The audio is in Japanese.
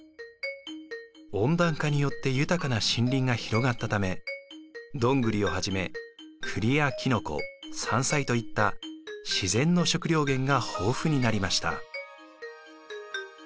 温暖化によって豊かな森林が広がったためドングリをはじめクリやキノコ山菜といった自然の食料源が豊富になりました。